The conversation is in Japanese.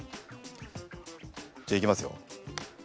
じゃあいきますよ。